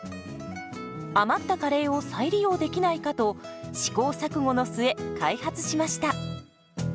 余ったカレーを再利用できないかと試行錯誤の末開発しました。